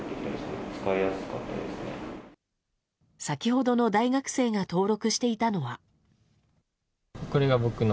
先ほどの大学生が登録していたのは。